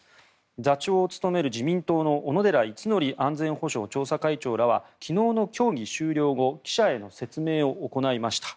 座長を務める、自民党の小野寺五典安全保障調査会長らは昨日の協議終了後記者への説明を行いました。